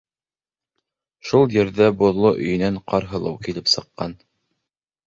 Шул ерҙә боҙло өйөнән Ҡарһылыу килеп сыҡҡан.